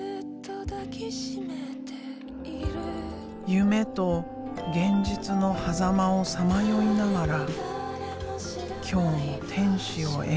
夢と現実のはざまをさまよいながら今日も天使を描く。